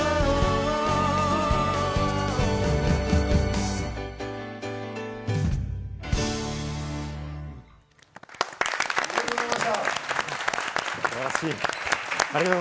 ニトリありがとうございました。